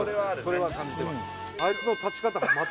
それは感じてます